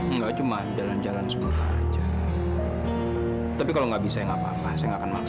enggak cuma jalan jalan semoga aja tapi kalau nggak bisa enggak apa apa saya nggak akan makan